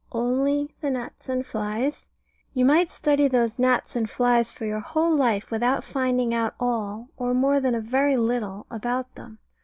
Only the gnats and flies? You might study those gnats and flies for your whole life without finding out all or more than a very little about them.